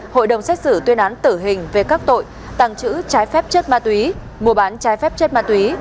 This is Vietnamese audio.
hội đồng xét xử tuyên án tử hình về các tội tăng chữ trai phép chất ma túy mua bán trai phép chất ma túy